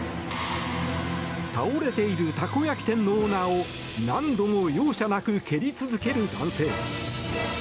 倒れているたこ焼き店のオーナーを何度も容赦なく蹴り続ける男性。